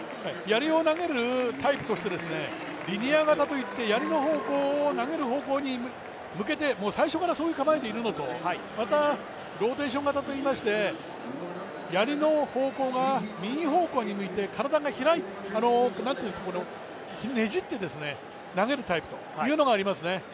投げるタイプが、リニア型といってやりを投げる方向に向けて最初からそういう構えでいるのとまたローテーション型といいましてやりの方向が右方向に向いて体が開いて、ねじって投げるタイプというのがありますね。